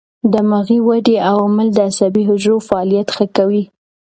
دماغي ودې عوامل د عصبي حجرو فعالیت ښه کوي.